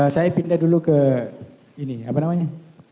saya pindah dulu ke ini apa namanya